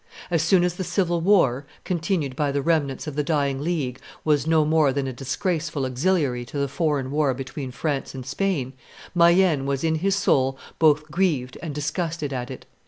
As soon as the civil war, continued by the remnants of the dying League, was no more than a disgraceful auxiliary to the foreign war between France and Spain, Mayenne was in his soul both grieved and disgusted at it.